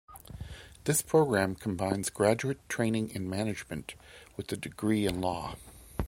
This program combines graduate training in management with a degree in law.